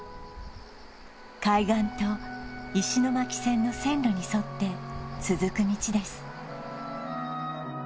海岸と石巻線の線路に沿って続く道です